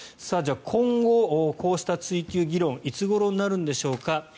今後、こうした追及議論いつごろになるんでしょうか。